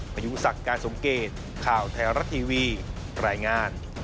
มายุสักการสงเกตข่าวไทยรัฐทีวีแรงงาน